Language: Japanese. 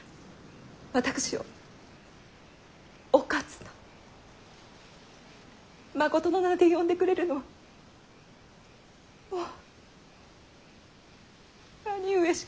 私を「お勝」とまことの名で呼んでくれるのはもう兄上しか。